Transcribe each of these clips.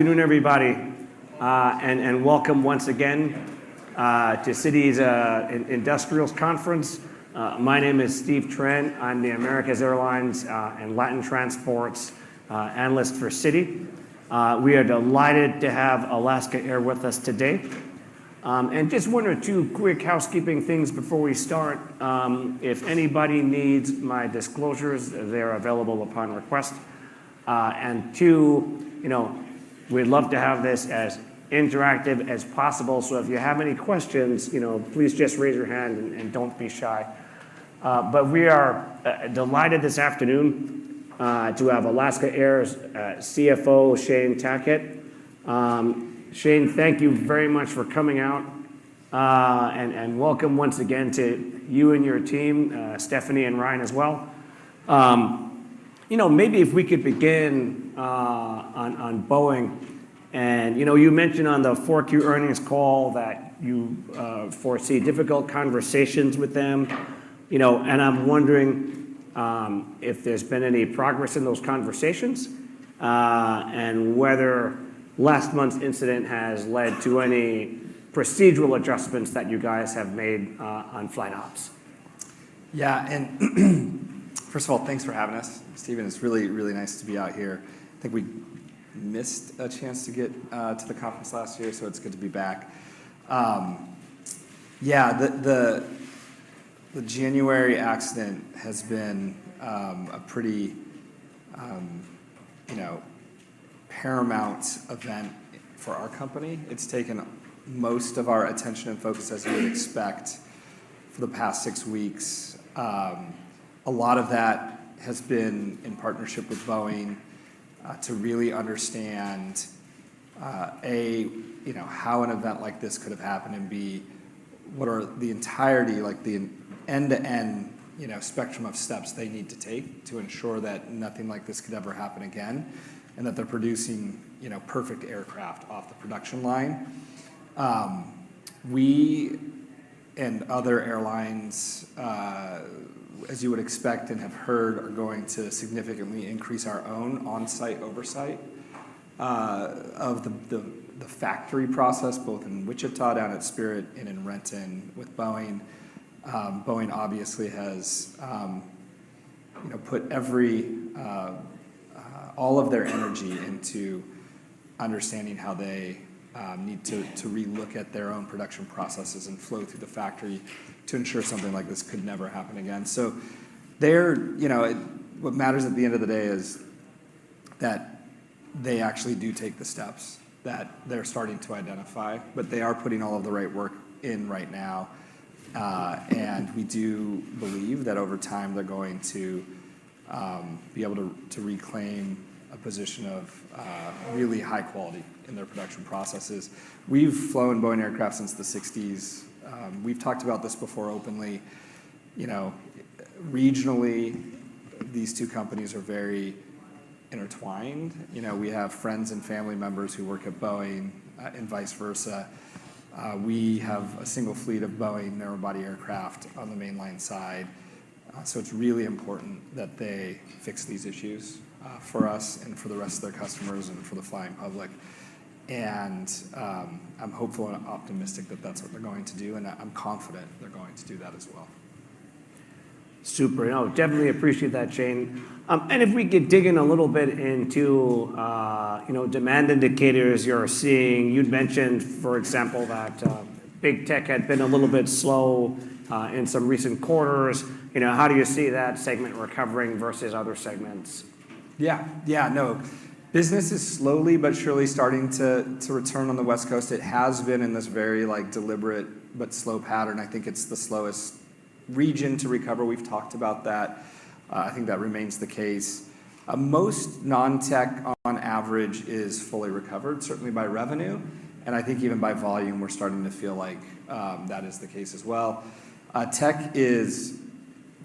Good afternoon, everybody, and welcome once again to Citi's Industrials Conference. My name is Steve Trent. I'm the Americas Airlines and Latin Transport analyst for Citi. We are delighted to have Alaska Air with us today. And just one or two quick housekeeping things before we start. If anybody needs my disclosures, they're available upon request. And two, you know, we'd love to have this as interactive as possible, so if you have any questions, you know, please just raise your hand and don't be shy. But we are delighted this afternoon to have Alaska Air's CFO, Shane Tackett. Shane, thank you very much for coming out. And welcome once again to you and your team, Stephanie and Ryan as well. You know, maybe if we could begin on Boeing, and you know, you mentioned on the 4Q earnings call that you foresee difficult conversations with them, you know, and I'm wondering if there's been any progress in those conversations, and whether last month's incident has led to any procedural adjustments that you guys have made on flight ops? Yeah, and first of all, thanks for having us, Stephen. It's really, really nice to be out here. I think we missed a chance to get to the conference last year, so it's good to be back. Yeah, the January accident has been a pretty, you know, paramount event for our company. It's taken most of our attention and focus, as you would expect, for the past six weeks. A lot of that has been in partnership with Boeing to really understand A, you know, how an event like this could have happened, and B, what are the entirety like, the end-to-end, you know, spectrum of steps they need to take to ensure that nothing like this could ever happen again, and that they're producing, you know, perfect aircraft off the production line. We and other airlines, as you would expect and have heard, are going to significantly increase our own on-site oversight of the factory process, both in Wichita, down at Spirit and in Renton with Boeing. Boeing obviously has, you know, put all of their energy into understanding how they need to relook at their own production processes and flow through the factory to ensure something like this could never happen again. So they're, you know, what matters at the end of the day is that they actually do take the steps that they're starting to identify, but they are putting all of the right work in right now. And we do believe that over time, they're going to be able to reclaim a position of really high quality in their production processes. We've flown Boeing aircraft since the '60s. We've talked about this before openly. You know, regionally, these two companies are very intertwined. You know, we have friends and family members who work at Boeing, and vice versa. We have a single fleet of Boeing narrow-body aircraft on the mainline side, so it's really important that they fix these issues, for us and for the rest of their customers and for the flying public. I'm hopeful and optimistic that that's what they're going to do, and I'm confident they're going to do that as well. Super. No, definitely appreciate that, Shane. And if we could dig in a little bit into, you know, demand indicators you're seeing. You'd mentioned, for example, that, Big Tech had been a little bit slow, in some recent quarters. You know, how do you see that segment recovering versus other segments? Yeah. Yeah, no. Business is slowly but surely starting to return on the West Coast. It has been in this very, like, deliberate but slow pattern. I think it's the slowest region to recover. We've talked about that. I think that remains the case. Most non-tech on average is fully recovered, certainly by revenue, and I think even by volume, we're starting to feel like that is the case as well. Tech is,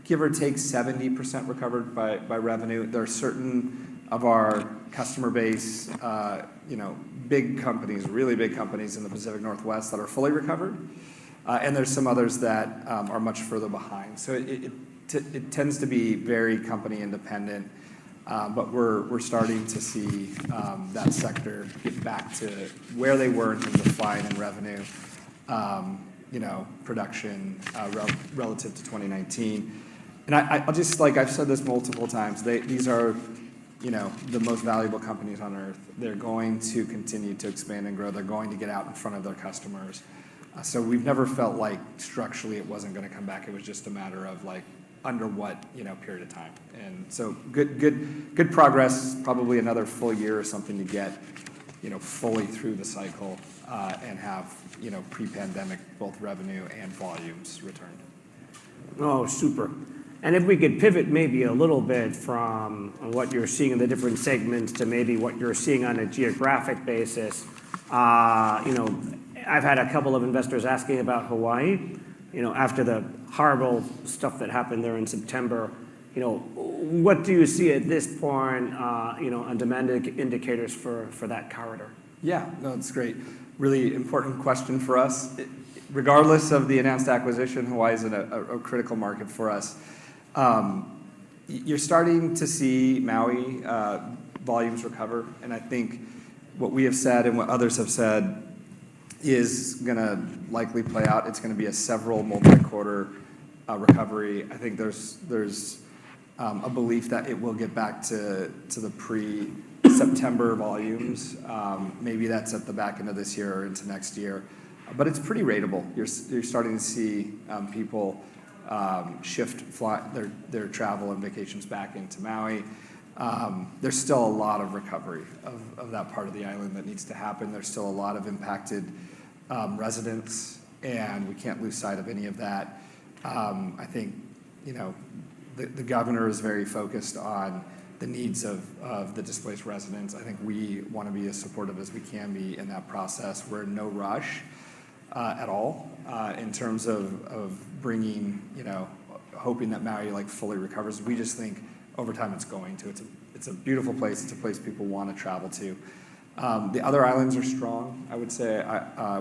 give or take, 70% recovered by revenue. There are certain of our customer base, you know, big companies, really big companies in the Pacific Northwest that are fully recovered, and there are some others that are much further behind. So it tends to be very company independent, but we're starting to see that sector get back to where they were in terms of flying and revenue, you know, production, relative to 2019. And I'll just... Like I've said this multiple times, they—these are, you know, the most valuable companies on Earth. They're going to continue to expand and grow. They're going to get out in front of their customers. So we've never felt like structurally it wasn't gonna come back. It was just a matter of, like, under what, you know, period of time. And so good progress. Probably another full year or something to get, you know, fully through the cycle, and have, you know, pre-pandemic, both revenue and volumes returned. Oh, super. And if we could pivot maybe a little bit from what you're seeing in the different segments to maybe what you're seeing on a geographic basis. You know, I've had a couple of investors asking about Hawaii, you know, after the horrible stuff that happened there in September. You know, what do you see at this point, you know, on demand indicators for that corridor? Yeah, no, it's great. Really important question for us. Regardless of the announced acquisition, Hawaii is a critical market for us. You're starting to see Maui volumes recover, and I think what we have said and what others have said is gonna likely play out. It's gonna be a several multi-quarter recovery. I think there's a belief that it will get back to the pre-September volumes. Maybe that's at the back end of this year or into next year, but it's pretty ratable. You're starting to see people shift their travel and vacations back into Maui. There's still a lot of recovery of that part of the island that needs to happen. There's still a lot of impacted residents, and we can't lose sight of any of that. I think, you know, the governor is very focused on the needs of the displaced residents. I think we want to be as supportive as we can be in that process. We're in no rush at all in terms of bringing, you know, hoping that Maui, like, fully recovers. We just think over time it's going to. It's a beautiful place. It's a place people want to travel to. The other islands are strong, I would say.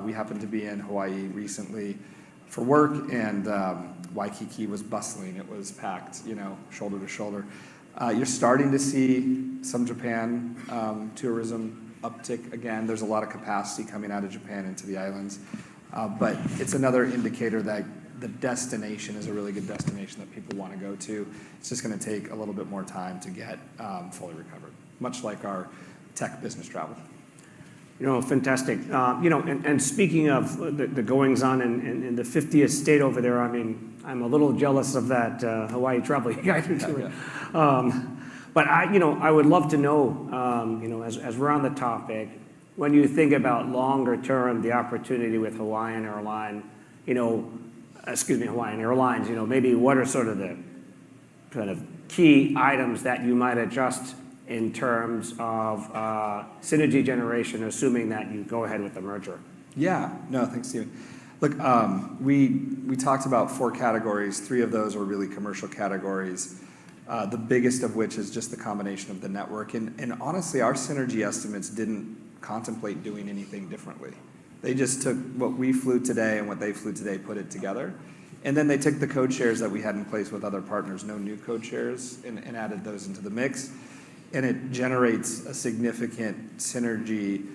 We happened to be in Hawaii recently for work, and Waikiki was bustling. It was packed, you know, shoulder to shoulder. You're starting to see some Japan tourism uptick again. There's a lot of capacity coming out of Japan into the islands. But it's another indicator that the destination is a really good destination that people want to go to. It's just gonna take a little bit more time to get fully recovered, much like our tech business travel. You know, fantastic. You know, and speaking of the goings-on in the fiftieth state over there, I mean, I'm a little jealous of that Hawaii travel you guys are doing. But I... You know, I would love to know, you know, as we're on the topic, when you think about longer term, the opportunity with Hawaiian Airline, you know—excuse me, Hawaiian Airlines, you know, maybe what are sort of the kind of key items that you might adjust in terms of synergy generation, assuming that you go ahead with the merger? Yeah. No, thanks, Stephen. Look, we talked about four categories. Three of those were really commercial categories, the biggest of which is just the combination of the network. And, honestly, our synergy estimates didn't contemplate doing anything differently. They just took what we flew today and what they flew today, put it together, and then they took the code shares that we had in place with other partners, no new code shares, and added those into the mix, and it generates a significant synergy,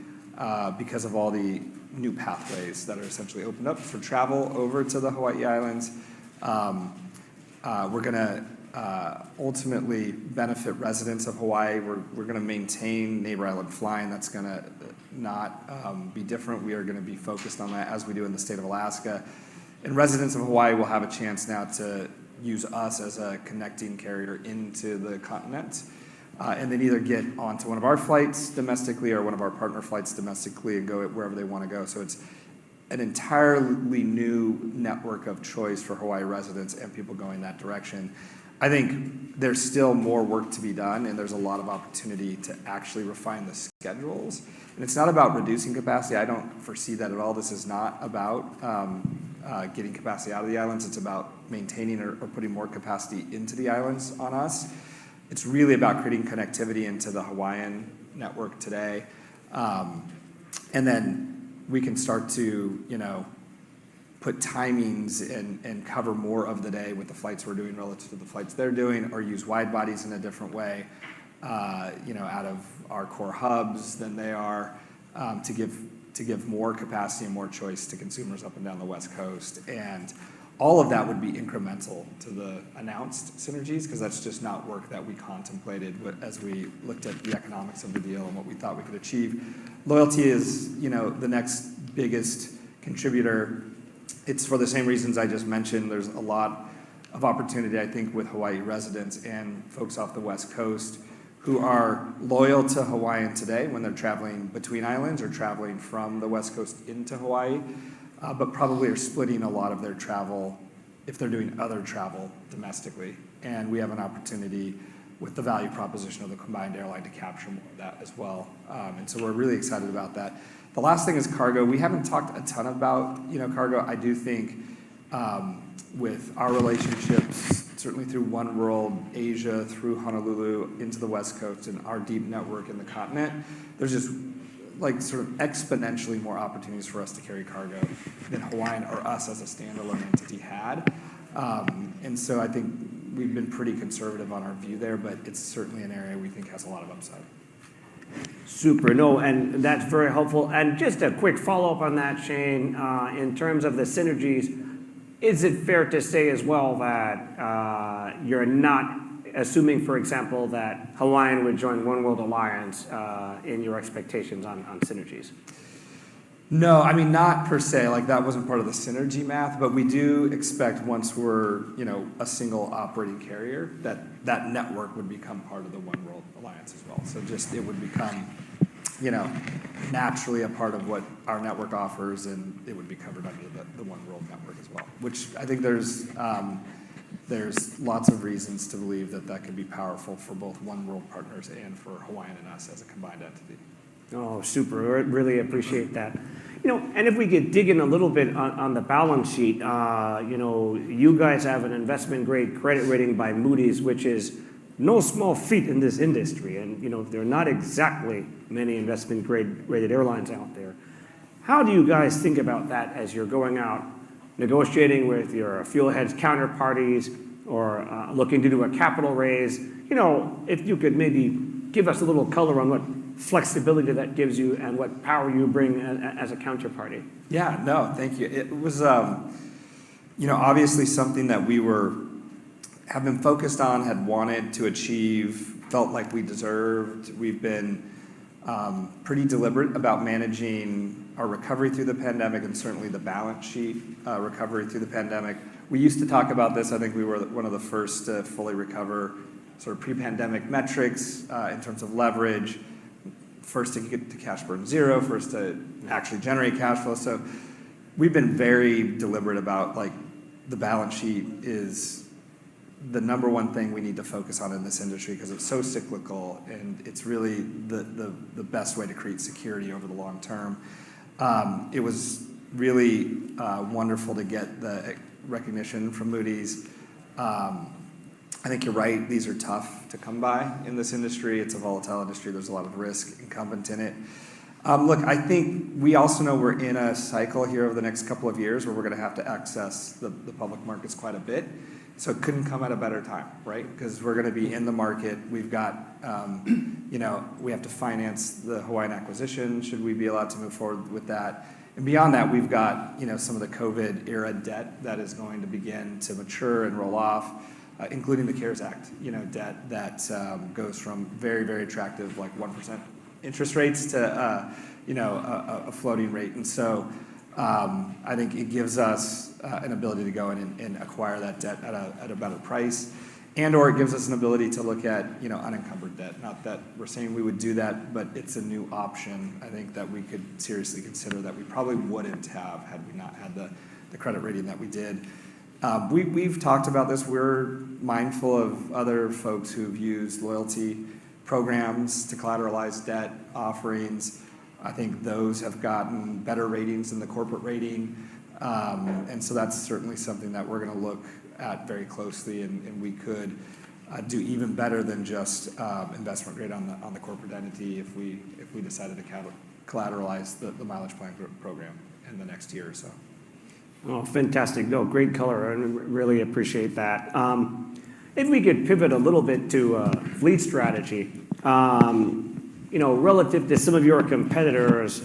because of all the new pathways that are essentially opened up for travel over to the Hawaii Islands. We're gonna ultimately benefit residents of Hawaii. We're gonna maintain neighbor island flying. That's gonna not be different. We are gonna be focused on that, as we do in the state of Alaska. Residents of Hawaii will have a chance now to use us as a connecting carrier into the continent, and then either get onto one of our flights domestically or one of our partner flights domestically and go wherever they want to go. It's an entirely new network of choice for Hawaii residents and people going that direction. I think there's still more work to be done, and there's a lot of opportunity to actually refine the schedules. It's not about reducing capacity. I don't foresee that at all. This is not about getting capacity out of the islands. It's about maintaining or putting more capacity into the islands on us. It's really about creating connectivity into the Hawaiian network today. And then we can start to, you know, put timings and cover more of the day with the flights we're doing relative to the flights they're doing, or use wide bodies in a different way, you know, out of our core hubs than they are, to give more capacity and more choice to consumers up and down the West Coast. And all of that would be incremental to the announced synergies 'cause that's just not work that we contemplated with, as we looked at the economics of the deal and what we thought we could achieve. Loyalty is, you know, the next biggest contributor. It's for the same reasons I just mentioned. There's a lot of opportunity, I think, with Hawaii residents and folks off the West Coast who are loyal to Hawaiian today when they're traveling between islands or traveling from the West Coast into Hawaii, but probably are splitting a lot of their travel if they're doing other travel domestically. We have an opportunity with the value proposition of the combined airline to capture more of that as well. So we're really excited about that. The last thing is cargo. We haven't talked a ton about, you know, cargo. I do think, with our relationships, certainly through oneworld, Asia, through Honolulu into the West Coast and our deep network in the continent, there's just, like, sort of exponentially more opportunities for us to carry cargo than Hawaiian or us as a standalone entity had. I think we've been pretty conservative on our view there, but it's certainly an area we think has a lot of upside. Super. No, and that's very helpful. And just a quick follow-up on that, Shane, in terms of the synergies, is it fair to say as well that you're not assuming, for example, that Hawaiian would join oneworld alliance in your expectations on synergies? No, I mean, not per se. Like, that wasn't part of the synergy math, but we do expect once we're, you know, a single operating carrier, that that network would become part of the oneworld alliance as well. So just... it would become, you know, naturally a part of what our network offers, and it would be covered under the, the oneworld network as well, which I think there's, there's lots of reasons to believe that that could be powerful for both oneworld partners and for Hawaiian and us as a combined entity. Oh, super. We really appreciate that. You know, and if we could dig in a little bit on the balance sheet, you know, you guys have an investment-grade credit rating by Moody's, which is no small feat in this industry, and, you know, there are not exactly many investment-grade rated airlines out there. How do you guys think about that as you're going out negotiating with your fuel hedge counterparties or looking to do a capital raise? You know, if you could maybe give us a little color on what flexibility that gives you and what power you bring as a counterparty. Yeah, no, thank you. It was, you know, obviously something that we were, have been focused on, had wanted to achieve, felt like we deserved. We've been pretty deliberate about managing our recovery through the pandemic, and certainly the balance sheet, recovery through the pandemic. We used to talk about this. I think we were one of the first to fully recover sort of pre-pandemic metrics, in terms of leverage. First to get to cash burn zero, first to actually generate cash flow. So we've been very deliberate about, like, the balance sheet is the number one thing we need to focus on in this industry 'cause it's so cyclical, and it's really the best way to create security over the long term. It was really wonderful to get the recognition from Moody's. I think you're right. These are tough to come by in this industry. It's a volatile industry. There's a lot of risk incumbent in it. Look, I think we also know we're in a cycle here over the next couple of years, where we're gonna have to access the public markets quite a bit. So it couldn't come at a better time, right? 'Cause we're gonna be in the market. We've got, you know, we have to finance the Hawaiian acquisition, should we be allowed to move forward with that. And beyond that, we've got, you know, some of the COVID-era debt that is going to begin to mature and roll off, including the CARES Act, you know, debt that goes from very, very attractive, like, 1% interest rates to, you know, a floating rate. And so, I think it gives us an ability to go in and acquire that debt at a better price, and/or it gives us an ability to look at, you know, unencumbered debt. Not that we're saying we would do that, but it's a new option I think that we could seriously consider that we probably wouldn't have, had we not had the credit rating that we did. We've talked about this. We're mindful of other folks who've used loyalty programs to collateralize debt offerings. I think those have gotten better ratings than the corporate rating. and so that's certainly something that we're gonna look at very closely, and we could do even better than just Investment Grade on the corporate entity if we decided to collateralize the Mileage Plan program in the next year or so. Oh, fantastic! No, great color, and really appreciate that. If we could pivot a little bit to fleet strategy. You know, relative to some of your competitors,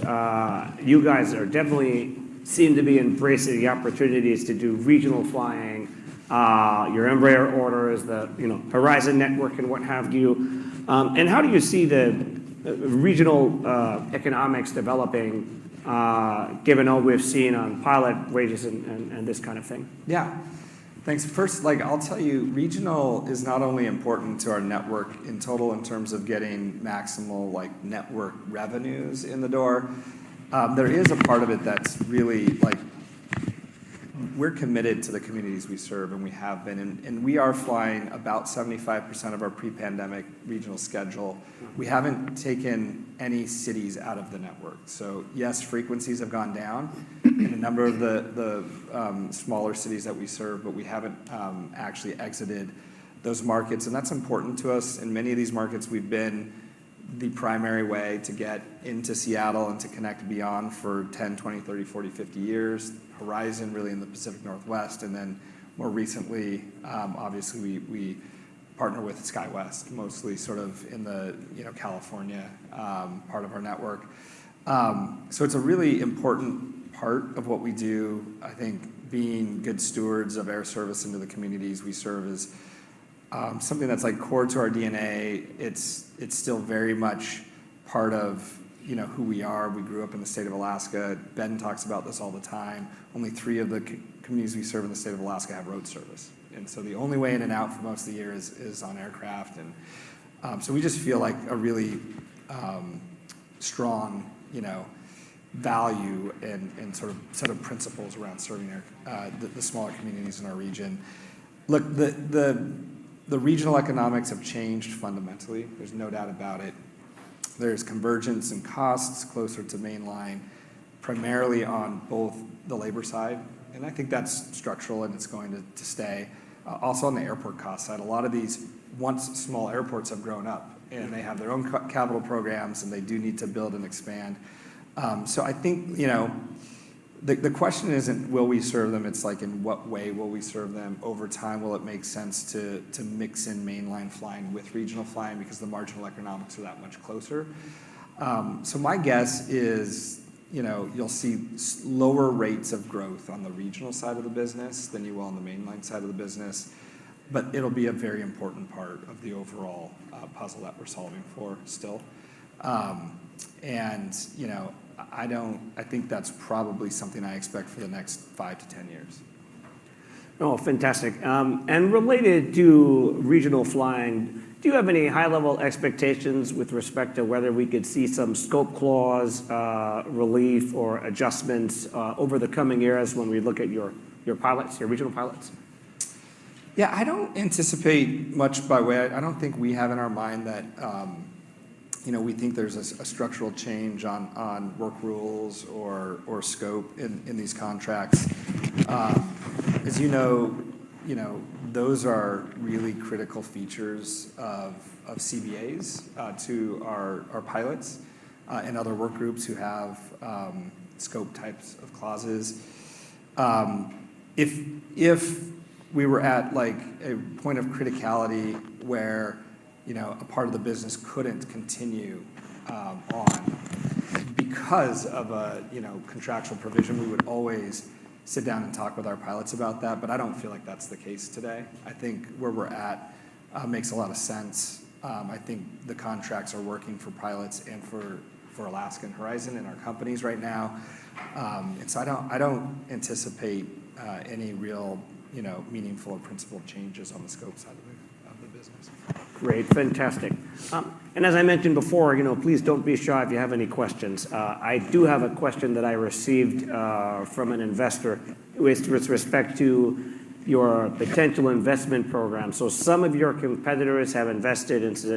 you guys are definitely seem to be embracing the opportunities to do regional flying. Your Embraer order is the, you know, Horizon network and what have you. And how do you see the regional economics developing, given all we've seen on pilot wages and this kind of thing? Yeah. Thanks. First, like, I'll tell you, regional is not only important to our network in total in terms of getting maximal, like, network revenues in the door. There is a part of it that's really like we're committed to the communities we serve, and we have been, and, and we are flying about 75% of our pre-pandemic regional schedule. We haven't taken any cities out of the network. So yes, frequencies have gone down in a number of the smaller cities that we serve, but we haven't actually exited those markets, and that's important to us. In many of these markets, we've been the primary way to get into Seattle and to connect beyond for 10, 20, 30, 40, 50 years. Horizon, really in the Pacific Northwest and then more recently, obviously, we partner with SkyWest, mostly sort of in the, you know, California, part of our network. So it's a really important part of what we do. I think being good stewards of air service into the communities we serve is something that's, like, core to our DNA. It's still very much part of, you know, who we are. We grew up in the state of Alaska. Ben talks about this all the time. Only three of the communities we serve in the state of Alaska have road service, and so the only way in and out for most of the year is on aircraft. We just feel like a really strong, you know, value and, and sort of set of principles around serving our smaller communities in our region. Look, the regional economics have changed fundamentally. There's no doubt about it. There's convergence in costs closer to mainline, primarily on both the labor side, and I think that's structural, and it's going to stay. Also on the airport cost side, a lot of these once small airports have grown up, and they have their own capital programs, and they do need to build and expand. So I think, you know, the question isn't will we serve them? It's, like, in what way will we serve them? Over time, will it make sense to mix in mainline flying with regional flying because the marginal economics are that much closer? So my guess is, you know, you'll see lower rates of growth on the regional side of the business than you will on the mainline side of the business, but it'll be a very important part of the overall puzzle that we're solving for still. And, you know, I think that's probably something I expect for the next 5-10 years. Oh, fantastic. Related to regional flying, do you have any high-level expectations with respect to whether we could see some Scope Clause relief or adjustments over the coming years when we look at your pilots, your regional pilots? Yeah, I don't anticipate much by way. I don't think we have in our mind that, you know, we think there's a structural change on work rules or scope in these contracts. As you know, you know, those are really critical features of CBAs to our pilots and other work groups who have scope types of clauses. If we were at, like, a point of criticality where, you know, a part of the business couldn't continue on because of a contractual provision, we would always sit down and talk with our pilots about that, but I don't feel like that's the case today. I think where we're at makes a lot of sense. I think the contracts are working for pilots and for Alaska and Horizon and our companies right now. And so I don't anticipate any real, you know, meaningful or principal changes on the scope side of the business. Great. Fantastic. And as I mentioned before, you know, please don't be shy if you have any questions. I do have a question that I received from an investor with respect to your potential investment program. So some of your competitors have invested into,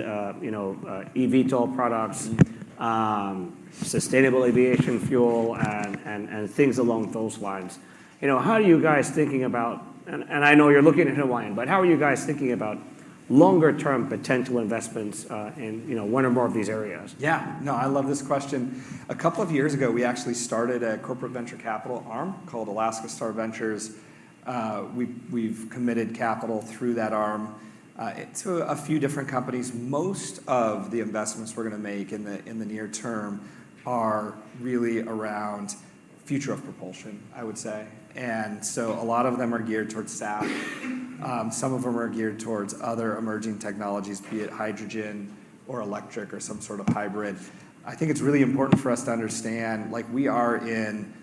you know, eVTOL products, sustainable aviation fuel, and things along those lines. You know, how are you guys thinking about... I know you're looking at Hawaiian, but how are you guys thinking about longer term potential investments in, you know, one or more of these areas? Yeah. No, I love this question. A couple of years ago, we actually started a corporate venture capital arm called Alaska Star Ventures. We've committed capital through that arm to a few different companies. Most of the investments we're going to make in the near term are really around future of propulsion, I would say, and so a lot of them are geared towards SAF. Some of them are geared towards other emerging technologies, be it hydrogen or electric or some sort of hybrid. I think it's really important for us to understand, like, we are in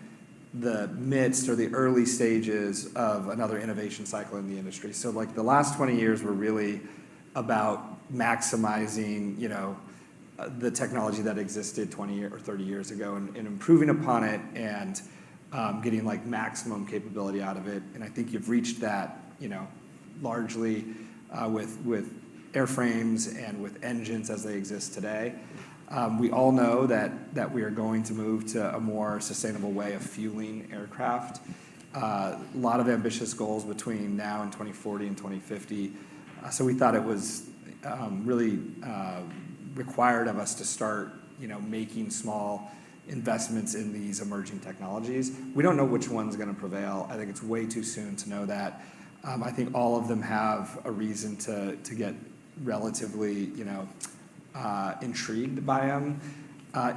the midst or the early stages of another innovation cycle in the industry. So, like, the last 20 years were really about maximizing, you know, the technology that existed 20 or 30 years ago and improving upon it, and getting, like, maximum capability out of it, and I think you've reached that, you know, largely with airframes and with engines as they exist today. We all know that we are going to move to a more sustainable way of fueling aircraft. A lot of ambitious goals between now and 2040 and 2050, so we thought it was really required of us to start, you know, making small investments in these emerging technologies. We don't know which one's going to prevail. I think it's way too soon to know that. I think all of them have a reason to get relatively, you know, intrigued by them.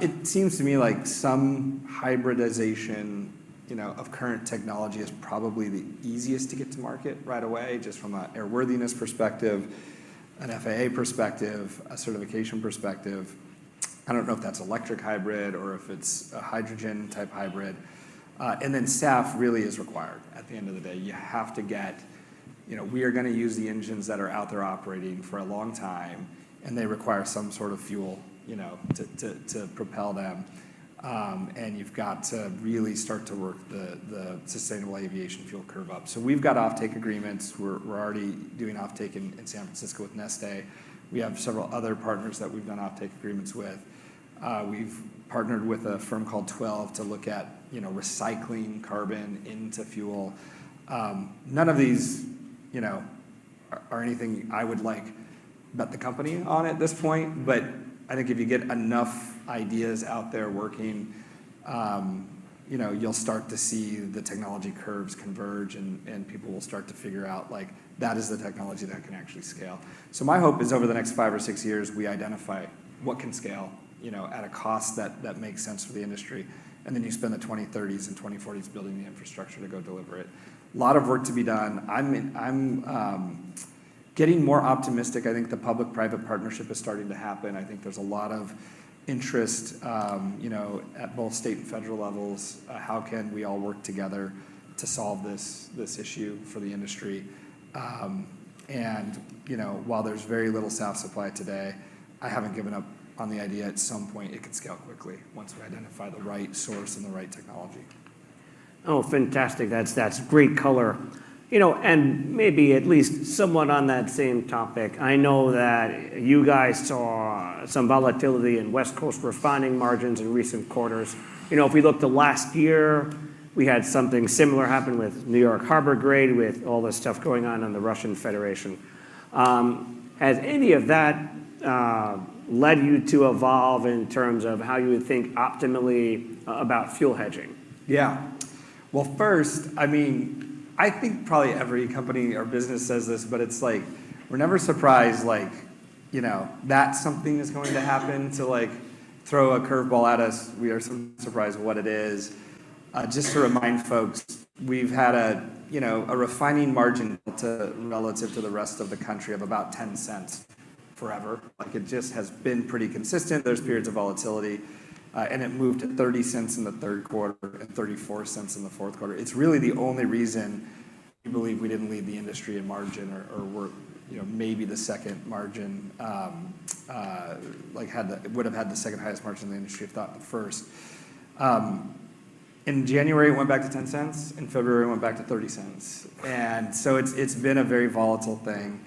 It seems to me like some hybridization, you know, of current technology is probably the easiest to get to market right away, just from an airworthiness perspective, an FAA perspective, a certification perspective. I don't know if that's electric hybrid or if it's a hydrogen-type hybrid. And then SAF really is required at the end of the day. You have to get you know, we are going to use the engines that are out there operating for a long time, and they require some sort of fuel, you know, to propel them. And you've got to really start to work the sustainable aviation fuel curve up. So we've got offtake agreements. We're already doing offtake in San Francisco with Neste. We have several other partners that we've done offtake agreements with. We've partnered with a firm called Twelve to look at, you know, recycling carbon into fuel. None of these, you know, are anything I would, like, bet the company on at this point, but I think if you get enough ideas out there working, you know, you'll start to see the technology curves converge, and, and people will start to figure out, like, that is the technology that can actually scale. So my hope is over the next five or six years, we identify what can scale, you know, at a cost that, that makes sense for the industry, and then you spend the 2030s and 2040s building the infrastructure to go deliver it. A lot of work to be done. I'm getting more optimistic. I think the public-private partnership is starting to happen. I think there's a lot of interest, you know, at both state and federal levels. How can we all work together to solve this, this issue for the industry? And, you know, while there's very little SAF supply today, I haven't given up on the idea at some point it could scale quickly once we identify the right source and the right technology. Oh, fantastic. That's, that's great color. You know, and maybe at least somewhat on that same topic, I know that you guys saw some volatility in West Coast refining margins in recent quarters. You know, if we look to last year, we had something similar happen with New York Harbor grade, with all the stuff going on in the Russian Federation. Has any of that led you to evolve in terms of how you would think optimally about fuel hedging? Yeah. Well, first, I mean, I think probably every company or business says this, but it's like we're never surprised, like, you know, that something is going to happen to, like, throw a curveball at us. We are sometimes surprised at what it is. Just to remind folks, we've had a, you know, a refining margin too relative to the rest of the country of about $0.10 forever. Like, it just has been pretty consistent. There's periods of volatility, and it moved to $0.30 in the third quarter and $0.34 in the fourth quarter. It's really the only reason we believe we didn't lead the industry in margin or, or we're, you know, maybe the second margin. Like, would have had the second highest margin in the industry if not first. In January, it went back to $0.10, in February it went back to $0.30, and so it's been a very volatile thing.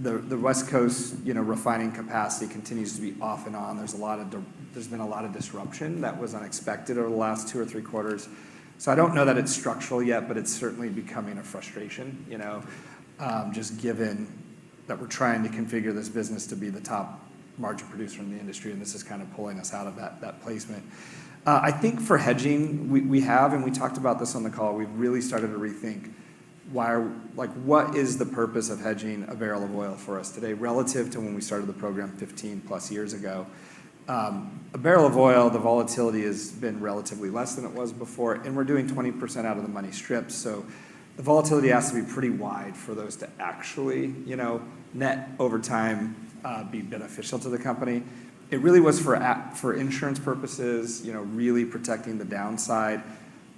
The West Coast, you know, refining capacity continues to be off and on. There's been a lot of disruption that was unexpected over the last two or three quarters. So I don't know that it's structural yet, but it's certainly becoming a frustration, you know, just given that we're trying to configure this business to be the top margin producer in the industry, and this is kind of pulling us out of that placement. I think for hedging, we have, and we talked about this on the call, we've really started to rethink why are... Like, what is the purpose of hedging a barrel of oil for us today relative to when we started the program 15+ years ago? A barrel of oil, the volatility has been relatively less than it was before, and we're doing 20% out of the money strips, so the volatility has to be pretty wide for those to actually, you know, net over time, be beneficial to the company. It really was for a- for insurance purposes, you know, really protecting the downside.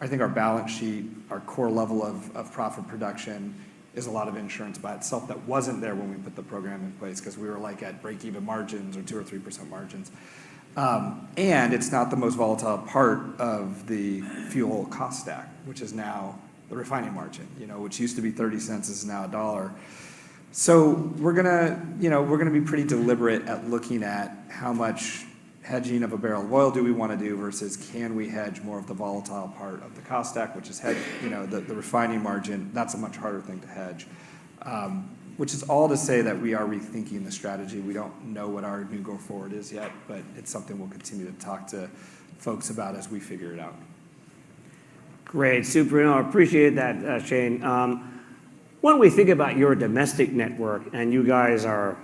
I think our balance sheet, our core level of profit production is a lot of insurance by itself that wasn't there when we put the program in place, 'cause we were, like, at break-even margins or 2% or 3% margins. And it's not the most volatile part of the fuel cost stack, which is now the refining margin, you know, which used to be $0.30, is now $1. So we're gonna, you know, we're gonna be pretty deliberate at looking at how much hedging of a barrel of oil do we want to do versus can we hedge more of the volatile part of the cost stack, which is you know, the refining margin. That's a much harder thing to hedge. Which is all to say that we are rethinking the strategy. We don't know what our new go forward is yet, but it's something we'll continue to talk to folks about as we figure it out. Great. Super. I appreciate that, Shane. When we think about your domestic network, and you guys are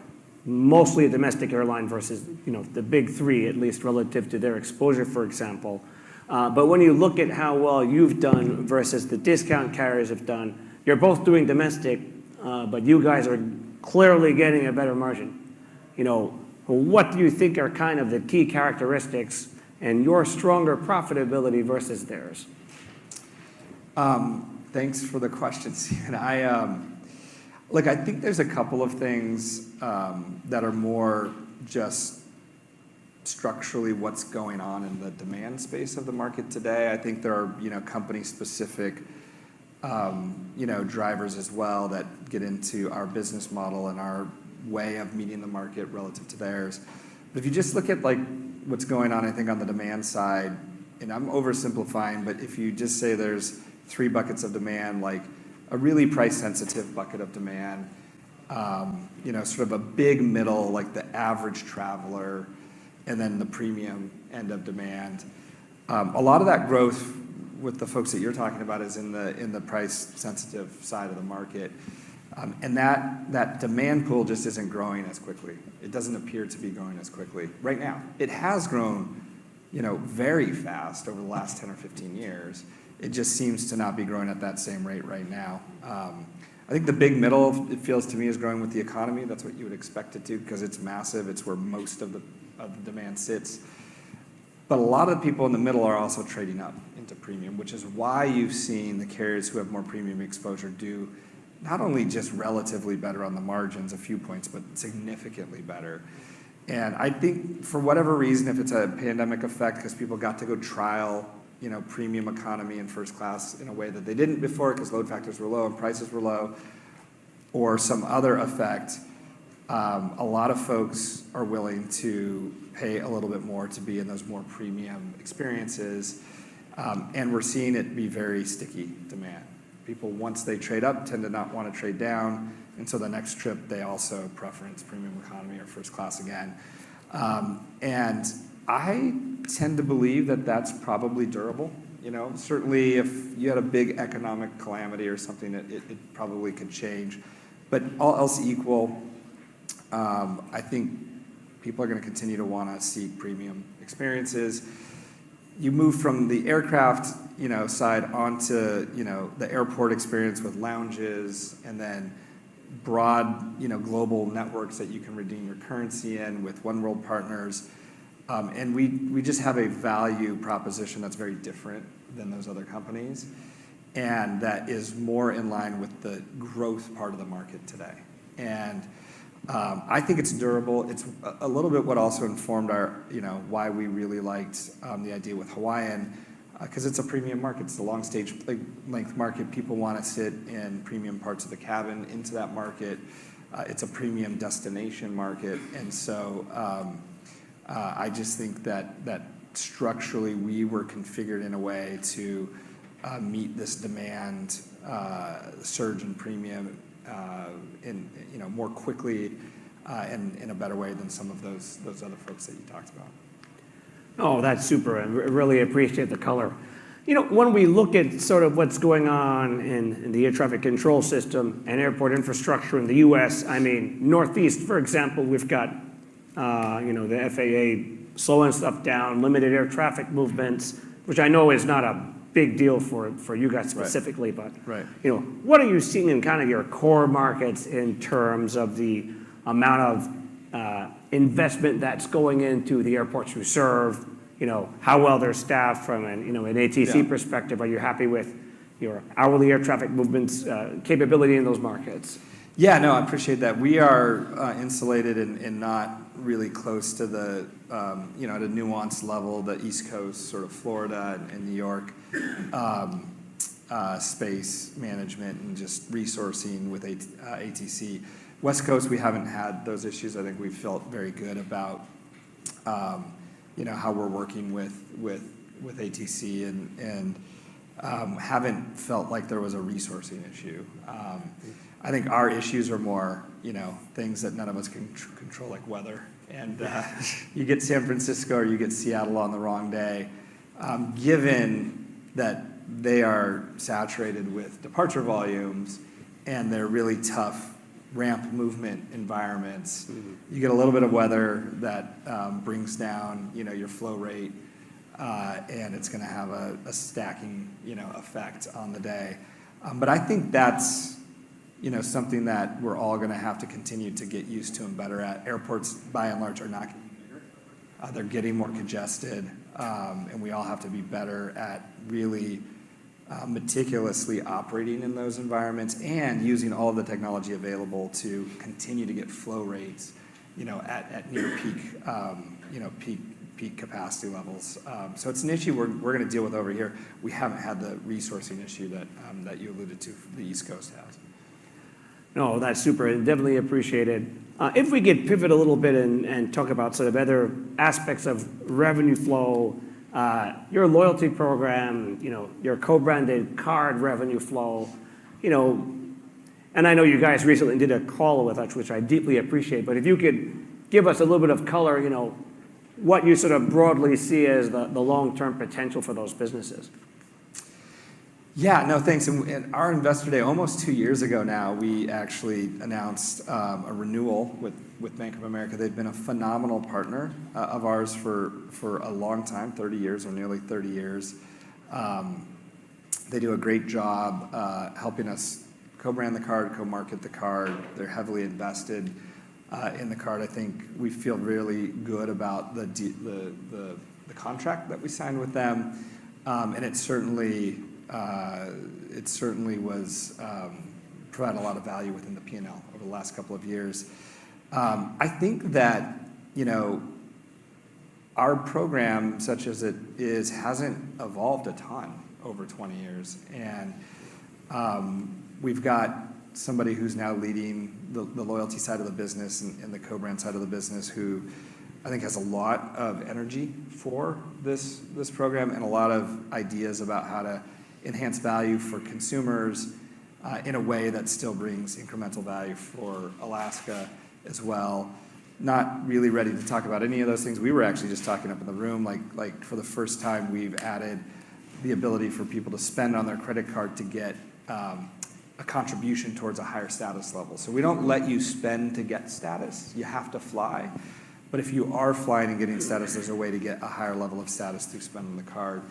mostly a domestic airline versus, you know, the big three, at least relative to their exposure, for example. But when you look at how well you've done versus the discount carriers have done, you're both doing domestic, but you guys are clearly getting a better margin. You know, what do you think are kind of the key characteristics in your stronger profitability versus theirs? Thanks for the question, Sean. I... Look, I think there's a couple of things that are more just structurally what's going on in the demand space of the market today. I think there are, you know, company-specific, you know, drivers as well that get into our business model and our way of meeting the market relative to theirs. But if you just look at, like, what's going on, I think, on the demand side, and I'm oversimplifying, but if you just say there's three buckets of demand, like, a really price-sensitive bucket of demand, you know, sort of a big middle, like the average traveler, and then the premium end of demand. A lot of that growth with the folks that you're talking about is in the, in the price-sensitive side of the market. And that demand pool just isn't growing as quickly. It doesn't appear to be growing as quickly right now. It has grown, you know, very fast over the last 10 or 15 years. It just seems to not be growing at that same rate right now. I think the big middle, it feels to me, is growing with the economy. That's what you would expect it to, 'cause it's massive. It's where most of the demand sits. But a lot of people in the middle are also trading up into premium, which is why you've seen the carriers who have more premium exposure do not only just relatively better on the margins a few points, but significantly better. I think for whatever reason, if it's a pandemic effect, 'cause people got to go trial, you know, premium economy and first class in a way that they didn't before, 'cause load factors were low and prices were low or some other effect, a lot of folks are willing to pay a little bit more to be in those more premium experiences. We're seeing it be very sticky demand. People, once they trade up, tend to not want to trade down, and so the next trip, they also preference premium economy or first class again. I tend to believe that that's probably durable. You know, certainly if you had a big economic calamity or something, it probably could change. But all else equal, I think people are gonna continue to wanna see premium experiences. You move from the aircraft, you know, side onto, you know, the airport experience with lounges and then broad, you know, global networks that you can redeem your currency in with oneworld partners. And we, we just have a value proposition that's very different than those other companies, and that is more in line with the growth part of the market today. And, I think it's durable. It's a, a little bit what also informed our, you know, why we really liked, the idea with Hawaiian, 'cause it's a premium market. It's a long stage, like, length market. People want to sit in premium parts of the cabin into that market. It's a premium destination market, and so I just think that structurally, we were configured in a way to meet this demand surge in premium, you know, more quickly, and in a better way than some of those other folks that you talked about. Oh, that's super, and really appreciate the color. You know, when we look at sort of what's going on in the air traffic control system and airport infrastructure in the US, I mean, Northeast, for example, we've got, you know, the FAA slowing stuff down, limited air traffic movements, which I know is not a big deal for you guys- Right... specifically, but- Right... you know, what are you seeing in kind of your core markets in terms of the amount of investment that's going into the airports you serve? You know, how well they're staffed from an, you know, an ATC- Yeah... perspective. Are you happy with your hourly air traffic movements, capability in those markets? Yeah, no, I appreciate that. We are insulated and not really close to the, you know, at a nuance level, the East Coast, sort of Florida and New York, space management and just resourcing with ATC. West Coast, we haven't had those issues. I think we've felt very good about you know, how we're working with ATC and haven't felt like there was a resourcing issue. I think our issues are more, you know, things that none of us can control, like weather. And you get San Francisco or you get Seattle on the wrong day, given that they are saturated with departure volumes and they're really tough ramp movement environments- You get a little bit of weather that brings down, you know, your flow rate, and it's gonna have a stacking, you know, effect on the day. But I think that's, you know, something that we're all gonna have to continue to get used to and better at. Airports, by and large, are not getting bigger. They're getting more congested, and we all have to be better at really, meticulously operating in those environments and using all the technology available to continue to get flow rates, you know, at near peak, you know, peak capacity levels. So it's an issue we're gonna deal with over here. We haven't had the resourcing issue that you alluded to, the East Coast has. No, that's super and definitely appreciated. If we could pivot a little bit and, and talk about sort of other aspects of revenue flow, your loyalty program, you know, your co-branded card revenue flow, you know. And I know you guys recently did a call with us, which I deeply appreciate, but if you could give us a little bit of color, you know, what you sort of broadly see as the, the long-term potential for those businesses? Yeah. No, thanks. And our investor day, almost 2 years ago now, we actually announced a renewal with Bank of America. They've been a phenomenal partner of ours for a long time, 30 years, or nearly 30 years. They do a great job helping us co-brand the card, co-market the card. They're heavily invested in the card. I think we feel really good about the contract that we signed with them. And it certainly provided a lot of value within the P&L over the last couple of years. I think that, you know, our program, such as it is, hasn't evolved a ton over 20 years. We've got somebody who's now leading the loyalty side of the business and the co-brand side of the business, who I think has a lot of energy for this program, and a lot of ideas about how to enhance value for consumers, in a way that still brings incremental value for Alaska as well. Not really ready to talk about any of those things. We were actually just talking up in the room, like, for the first time, we've added the ability for people to spend on their credit card to get a contribution towards a higher status level. So we don't let you spend to get status. You have to fly. But if you are flying and getting status, there's a way to get a higher level of status through spend on the card,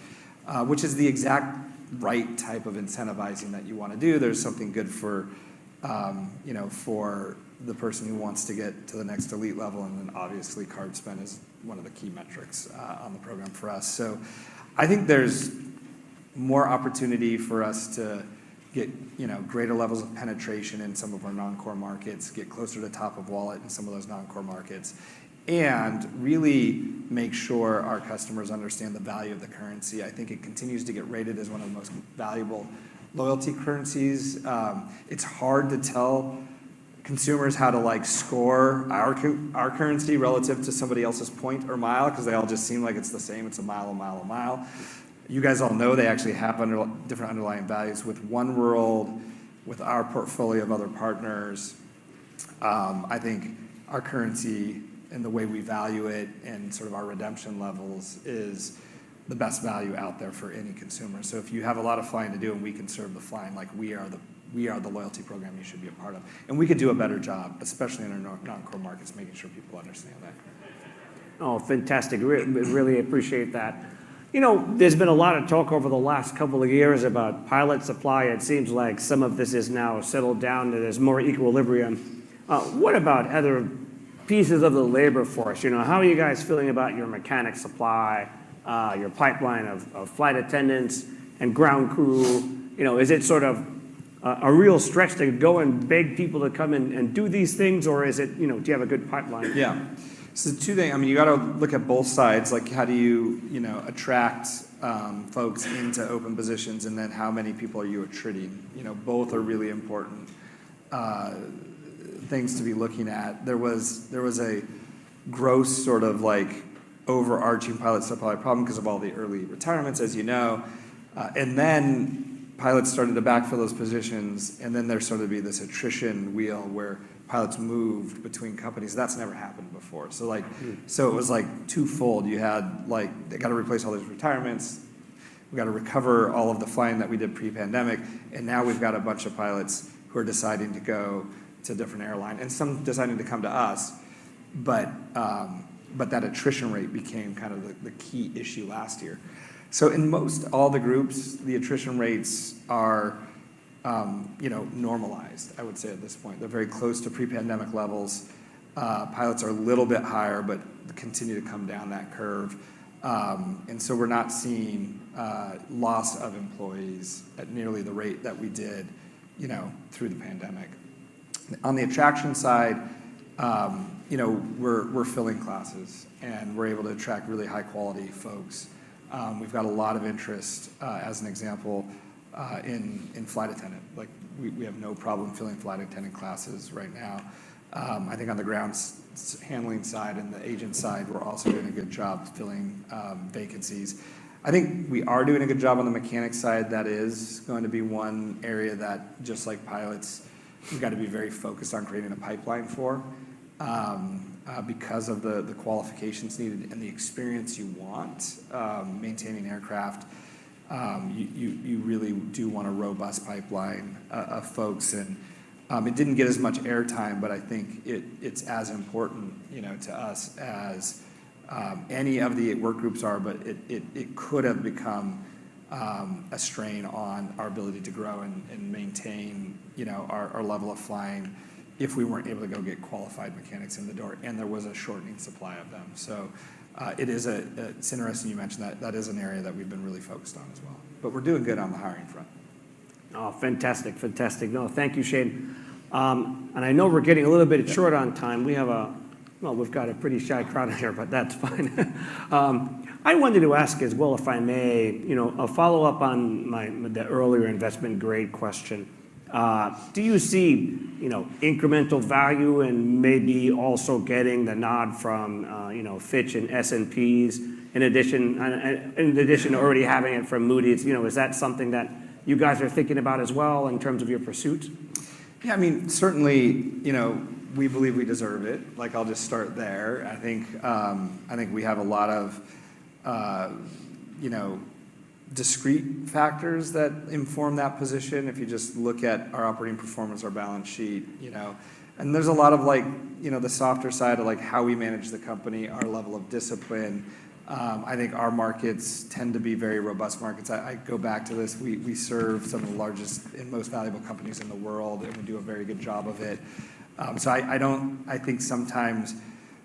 which is the exact right type of incentivizing that you want to do. There's something good for, you know, for the person who wants to get to the next elite level, and then obviously, card spend is one of the key metrics on the program for us. So I think there's more opportunity for us to get, you know, greater levels of penetration in some of our non-core markets, get closer to top of wallet in some of those non-core markets, and really make sure our customers understand the value of the currency. I think it continues to get rated as one of the most valuable loyalty currencies. It's hard to tell consumers how to, like, score our currency relative to somebody else's point or mile, 'cause they all just seem like it's the same. It's a mile, a mile, a mile. You guys all know they actually have different underlying values. With oneworld, with our portfolio of other partners, I think our currency and the way we value it and sort of our redemption levels is the best value out there for any consumer. So if you have a lot of flying to do and we can serve the flying, like, we are the, we are the loyalty program you should be a part of. And we could do a better job, especially in our non-core markets, making sure people understand that. Oh, fantastic. We really appreciate that. You know, there's been a lot of talk over the last couple of years about pilot supply. It seems like some of this is now settled down, and there's more equilibrium. What about other pieces of the labor force? You know, how are you guys feeling about your mechanic supply, your pipeline of flight attendants and ground crew? You know, is it sort of a real stretch to go and beg people to come and do these things, or is it... You know, do you have a good pipeline? Yeah. So two things. I mean, you gotta look at both sides. Like, how do you, you know, attract folks into open positions, and then how many people are you attriting? You know, both are really important things to be looking at. There was a gross, sort of like, overarching pilot supply problem 'cause of all the early retirements, as you know. And then pilots started to backfill those positions, and then there started to be this attrition wheel, where pilots moved between companies. That's never happened before. So, like-... so it was, like, twofold. You had, like, they gotta replace all these retirements. We gotta recover all of the flying that we did pre-pandemic, and now we've got a bunch of pilots who are deciding to go to a different airline and some deciding to come to us, but that attrition rate became kind of the key issue last year. So in most all the groups, the attrition rates are, you know, normalized, I would say, at this point. They're very close to pre-pandemic levels. Pilots are a little bit higher but continue to come down that curve. And so we're not seeing loss of employees at nearly the rate that we did, you know, through the pandemic. On the attraction side, you know, we're filling classes, and we're able to attract really high-quality folks. We've got a lot of interest, as an example, in flight attendant. Like, we have no problem filling flight attendant classes right now. I think on the ground handling side and the agent side, we're also doing a good job filling vacancies. I think we are doing a good job on the mechanic side. That is going to be one area that, just like pilots, we've got to be very focused on creating a pipeline for. Because of the qualifications needed and the experience you want, maintaining aircraft, you really do want a robust pipeline of folks. And it didn't get as much airtime, but I think it, it's as important, you know, to us as any of the work groups are. But it could have become a strain on our ability to grow and maintain, you know, our level of flying if we weren't able to go get qualified mechanics in the door, and there was a shortening supply of them. So, it's interesting you mentioned that. That is an area that we've been really focused on as well. But we're doing good on the hiring front. Oh, fantastic. Fantastic. No, thank you, Shane. I know we're getting a little bit short on time. Yeah. Well, we've got a pretty shy crowd in here, but that's fine. I wanted to ask as well, if I may, you know, a follow-up on my, the earlier Investment Grade question. Do you see, you know, incremental value and maybe also getting the nod from, you know, Fitch and S&P's, in addition to already having it from Moody's? You know, is that something that you guys are thinking about as well in terms of your pursuit? Yeah, I mean, certainly, you know, we believe we deserve it. Like, I'll just start there. I think we have a lot of, you know, discrete factors that inform that position, if you just look at our operating performance, our balance sheet, you know. And there's a lot of like, you know, the softer side of, like, how we manage the company, our level of discipline. I think our markets tend to be very robust markets. I go back to this. We serve some of the largest and most valuable companies in the world, and we do a very good job of it. So I don't. I think sometimes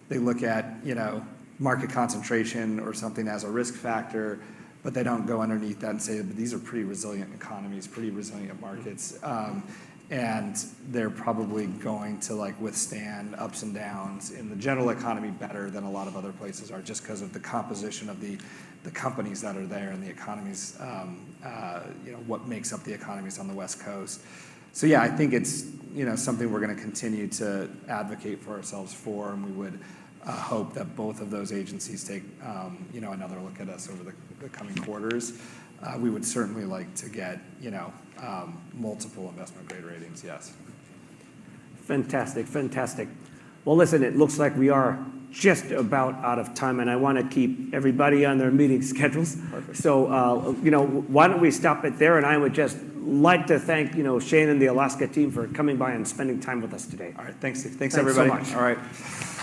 they look at, you know, market concentration or something as a risk factor, but they don't go underneath that and say, "These are pretty resilient economies, pretty resilient markets. And they're probably going to, like, withstand ups and downs in the general economy better than a lot of other places are, just 'cause of the composition of the companies that are there and the economies, you know, what makes up the economies on the West Coast. So yeah, I think it's, you know, something we're going to continue to advocate for ourselves for, and we would hope that both of those agencies take, you know, another look at us over the coming quarters. We would certainly like to get, you know, multiple Investment Grade ratings, yes. Fantastic. Fantastic. Well, listen, it looks like we are just about out of time, and I want to keep everybody on their meeting schedules. Perfect. you know, why don't we stop it there? I would just like to thank, you know, Shane and the Alaska team for coming by and spending time with us today. All right, thanks. Thanks, everybody. Thank you so much. All right.